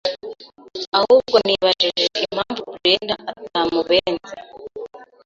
ahubwo nibajije impamvu Brendah atamubenze,